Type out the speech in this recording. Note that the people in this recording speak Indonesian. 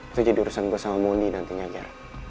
itu jadi urusan gua sama moni nantinya ger